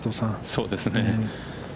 そうですね。